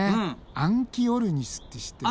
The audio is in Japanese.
アンキオルニスって知ってる？